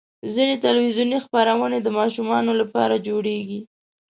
ځینې تلویزیوني خپرونې د ماشومانو لپاره جوړېږي.